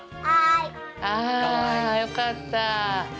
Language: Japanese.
あよかった。